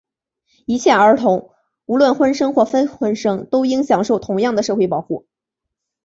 一切儿童,无论婚生或非婚生,都应享受同样的社会保护。